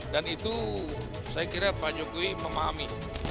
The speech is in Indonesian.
dan itu saya kira pak jokowi memahami